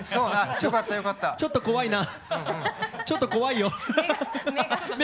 ちょちょっと怖いなちょっと怖いよ。